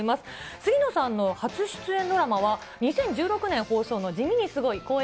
杉野さんの初出演ドラマは、２０１６年放送の地味にスゴイ！